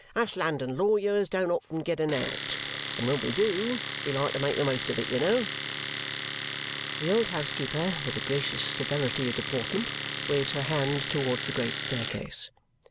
"Us London lawyers don't often get an out, and when we do, we like to make the most of it, you know." The old housekeeper, with a gracious severity of deportment, waves her hand towards the great staircase. Mr.